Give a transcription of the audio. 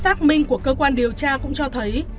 xác minh của cơ quan điều tra cũng cho thấy